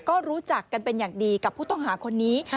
ก็รู้จักกันเป็นอย่างดีกับผู้ต้องหาคนนี้